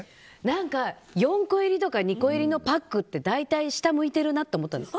何か４個入りとか２個入りのパックって大体下向いてるなと思ったんです。